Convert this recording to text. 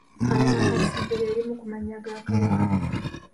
Kalemakansinjo lye limu ku mannya ga Kabaka.